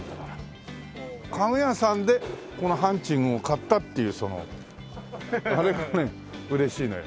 家具屋さんでこのハンチングを買ったっていうそのあれがね嬉しいのよ。